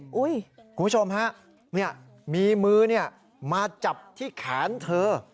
คุณผู้ชมฮะมีมือมาจับที่แขนเธอ